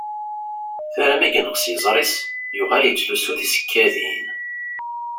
Tura mi yenqes yiẓri-s yuɣal yettlusu tisekkadin.